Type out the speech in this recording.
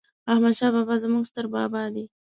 احمد شاه بابا ﺯموږ ستر بابا دي